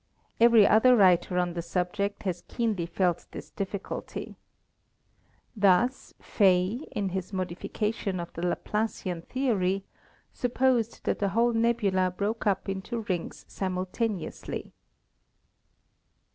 Every other writer on the subject has keenly felt this difficulty. Thus Faye, in his modification of the Laplacian theory, supposed that the whole nebula broke up into rings simultaneously.